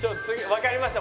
わかりました